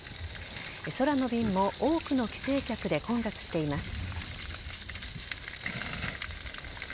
空の便も多くの帰省客で混雑しています。